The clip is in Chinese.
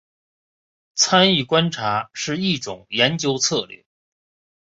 参与观察是一种研究策略。